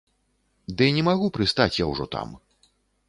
Ды не магу прыстаць я ўжо там.